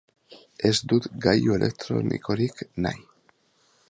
Ez dut gailu elektronikorik nahi.